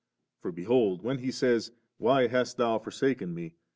For behold when He says, *Why hast Thou forsaken Me?'